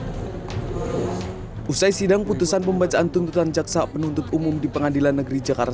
hai usai sidang putusan pembacaan tuntutan jaksa penuntut umum di pengadilan negeri jakarta